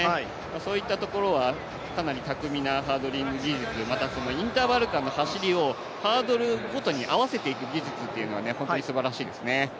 そういったところはかなり巧みなハードリング技術またそのインターバル間の走りをハードルごとに合わせていく技術は本当にすばらしいですね。